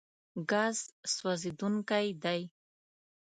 ګاز سوځېدونکی دی.